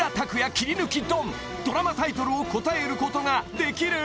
切り抜きドンドラマタイトルを答えることができる？